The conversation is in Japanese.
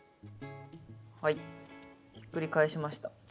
はいひっくり返しました。